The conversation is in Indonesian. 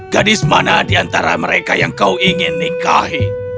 gadis mana di antara mereka yang kau ingin nikahi